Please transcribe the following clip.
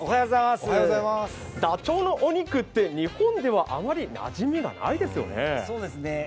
ダチョウのお肉って日本ではあまりなじみがないですよね。